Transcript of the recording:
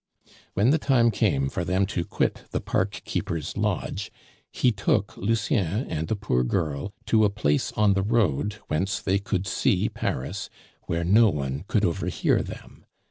When the time came for them to quit the park keeper's lodge, he took Lucien and the poor girl to a place on the road whence they could see Paris, where no one could overhear them.